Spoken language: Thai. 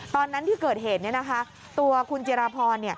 ตอนนั้นที่เกิดเหตุตัวคุณจิราพร